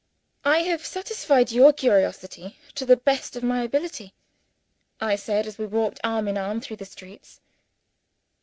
"I have satisfied your curiosity, to the best of my ability," I said, as we walked arm in arm through the streets.